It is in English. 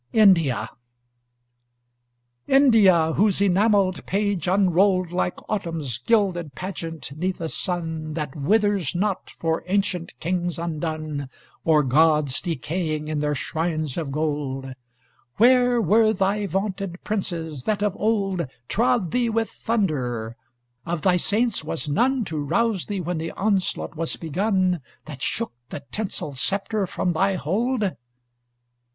INDIA India whose enameled page unrolled Like autumn's gilded pageant, 'neath a sun That withers not for ancient kings undone Or gods decaying in their shrines of gold Where were thy vaunted princes, that of old Trod thee with thunder of thy saints was none To rouse thee when the onslaught was begun, That shook the tinseled sceptre from thy hold?